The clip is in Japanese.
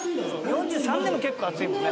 ４３でも結構熱いもんね。